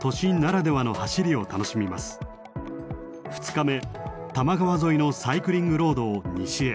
２日目多摩川沿いのサイクリングロードを西へ。